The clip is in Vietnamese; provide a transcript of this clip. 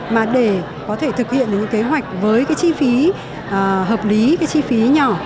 mà để có thể thực hiện được những kế hoạch với cái chi phí hợp lý cái chi phí nhỏ